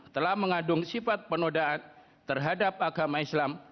telah mengandung sifat penodaan terhadap agama islam